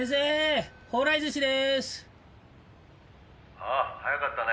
「ああ早かったね